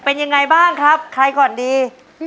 เป็นยังไงบ้างครับใครก่อนดี